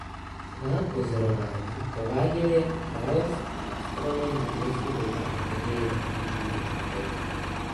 Svá pozorování prováděl jako královský astronom na mysu Dobré naděje v jižní Africe.